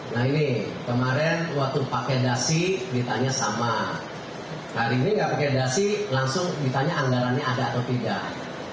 nah ini kemarin waktu pak kedasi ditanya sama hari ini pak kedasi langsung ditanya anggarannya ada atau tidak